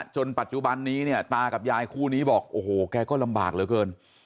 จนปัจจุบันนี้เนี่ยตากับยายคู่นี้บอกโอ้โหแกก็ลำบากเหลือเกิน